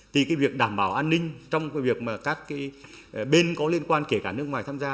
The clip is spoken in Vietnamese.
thì cái việc đảm bảo an ninh trong cái việc mà các cái bên có liên quan kể cả nước ngoài tham gia